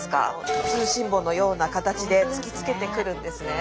通信簿のような形で突きつけてくるんですね。